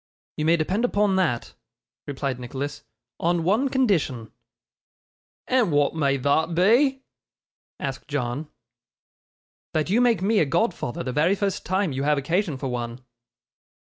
'You may depend upon that,' replied Nicholas; 'on one condition.' 'And wa'at may thot be?' asked John. 'That you make me a godfather the very first time you have occasion for one.